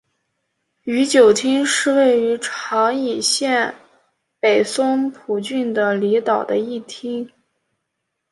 宇久町是位于长崎县北松浦郡的离岛的一町。